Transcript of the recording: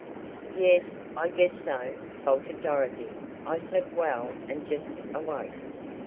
"Yes, I guess so," faltered Dorothy. "I slept well, and just awoke."